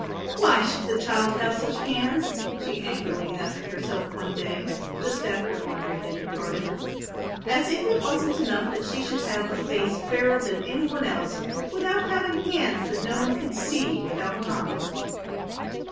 "Why should the child have such hands?" she angrily asked herself one day, just after Audry had departed, "as if it wasn't enough that she should have a face fairer than any one else without having hands that no one could see without comment."